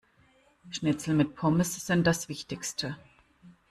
Schnitzel mit Pommes sind das Wichtigste.